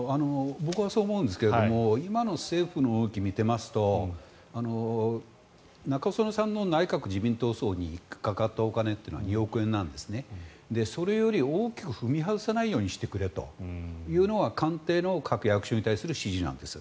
僕はそう思うんですが今の政府の動きを見ていますと中曽根さんの内閣・自民党葬にかかったお金は２億円なんですね。それより大きく踏み外さないようにしてくれというのが官邸の各お役所に対する指示なんです。